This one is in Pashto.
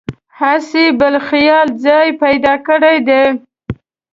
هسې بل خیالي ځای یې پیدا کړی دی.